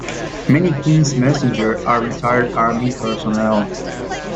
Many Queen's Messengers are retired Army personnel.